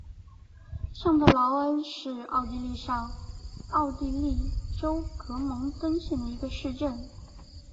上特劳恩是奥地利上奥地利州格蒙登县的一个市镇。